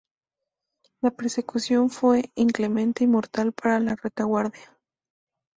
La persecución fue inclemente y mortal para la retaguardia.